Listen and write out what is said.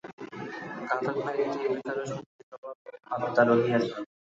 ঘাতক-ব্যক্তির ভিতরেও শুদ্ধস্বভাব আত্মা রহিয়াছেন।